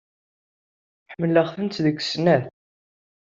Ḥemmleɣ-tent deg snat.